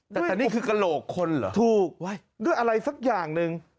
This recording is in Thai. แต่แต่นี่คือกระโหลกคนเหรอถูกด้วยอะไรสักอย่างหนึ่ง